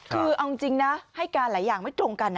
คือเอาจริงนะให้การหลายอย่างไม่ตรงกันนะ